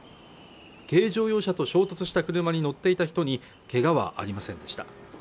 軽乗用車と衝突した車に乗っていた人にけがはありませんでした